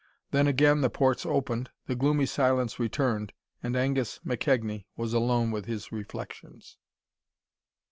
Then again the ports opened, the gloomy silence returned, and Angus McKegnie was alone with his reflections.